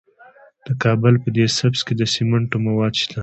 د کابل په ده سبز کې د سمنټو مواد شته.